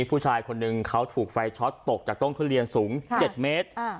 ผู้ชายคนหนึ่งเขาถูกไฟช็อตตกจากต้นทุเรียนสูง๗เมตร